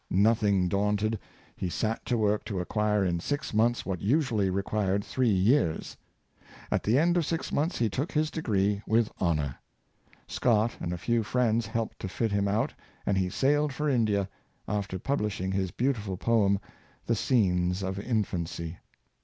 Noth ing daunted, he sat to work to acquire in six months what usually required three years. At the end of six months he took his degree with honor. Scott and a few friends helped to fit him out; and he sailed for India, after publishing his beautiful poem, " The Scenes of In fancy."